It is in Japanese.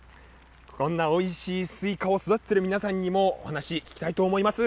こんなおいしいスイカを育てている皆さんにもお話、聞きたいと思います。